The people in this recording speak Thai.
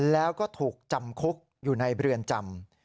แล้วก็ถูกจำคุกอยู่ในเรือนจำ